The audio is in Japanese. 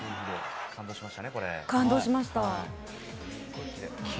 感動しました。